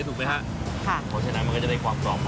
อ๋อปูแล้วก็เห็ดหอมใช่